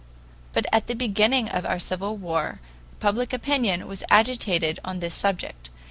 But at the beginning of our Civil War public opinion was agitated on this subject.